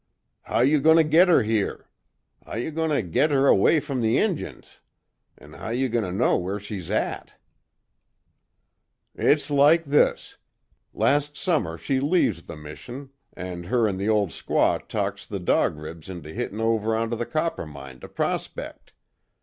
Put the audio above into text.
"How you goin' to git her here? How you goin' to git her away from the Injuns? An' how do you know where she's at?" "It's like this. Last summer she leaves the mission an' her an' the old squaw talks the Dog Ribs into hittin' over onto the Coppermine to prospect.